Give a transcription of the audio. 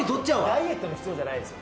ダイエットじゃないですよ。